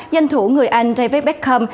danh thủ người anh david beckham